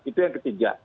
itu yang ketiga